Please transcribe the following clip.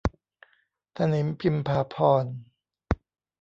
ถนิมพิมพาภรณ์